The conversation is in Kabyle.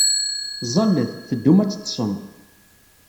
Ẓẓallet, teddum ad teḍḍsem.